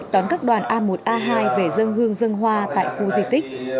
đón các đoàn a một a hai về dân hương dân hoa tại khu di tích